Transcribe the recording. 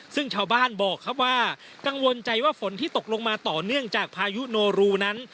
ซึ่งชาวบ้านบอกครับว่ากังวลใจว่าฝนที่ตกลงมาต่อเนื่องจากพายุโนรูนั้น